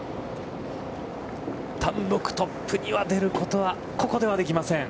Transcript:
単独トップには出ることは、ここではできません。